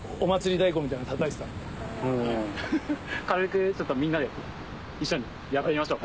軽くちょっとみんなで一緒にやってみましょう。